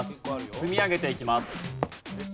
積み上げていきます。